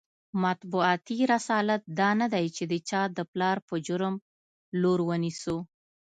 مطبوعاتي رسالت دا نه دی چې د چا د پلار په جرم لور ونیسو.